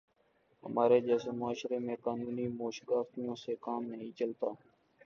ہمارے جیسے معاشرے میں قانونی موشگافیوں سے کام نہیں چلتا۔